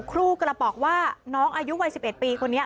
ครูกระบอกว่าน้องอายุวัย๑๑ปีคนนี้